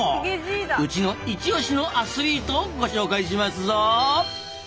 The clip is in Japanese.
うちの一推しのアスリートをご紹介しますぞ！